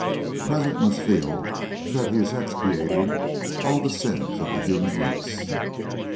The President must feel that he is expiating all the sins of the human race.